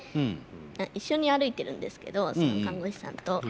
一緒に歩いてるんですけどその看護師さんと。